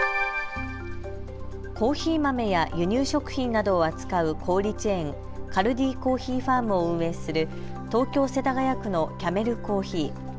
コーヒー豆や輸入食品などを扱う小売チェーン、カルディコーヒーファームを運営する東京世田谷区のキャメル珈琲。